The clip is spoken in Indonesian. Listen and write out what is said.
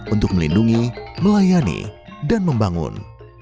untuk melindungi melayani dan membangun